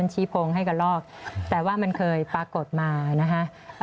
ชี้โพงให้กระลอกแต่ว่ามันเคยปรากฏมานะคะ